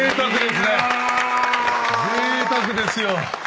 ぜいたくですよ。